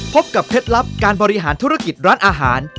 พบกับเคล็ดลับการบริหารธุรกิจร้านอาหาร